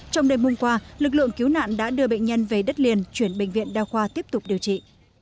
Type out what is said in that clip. trong đêm hôm qua lực lượng cứu nạn đã đưa bệnh nhân về đất liền chuyển bệnh viện đa khoa tiếp tục điều trị